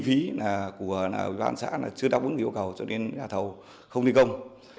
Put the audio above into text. kinh phí của văn xã chưa đáp ứng yêu cầu cho đến nhà thầu không thi công